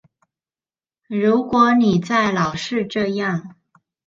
如果你再老是這樣